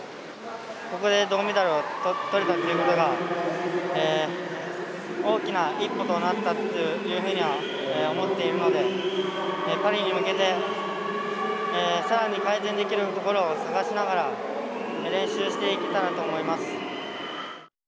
ここで銅メダルをとれたということが大きな一歩となったというふうには思っているのでパリに向けて、さらに改善できるところを探しながら練習していけたらと思います。